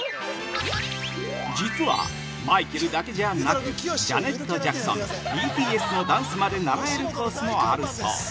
◆実はマイケルだけじゃなく、ジャネット・ジャクソン、ＢＴＳのダンスまで習えるコースもあるそう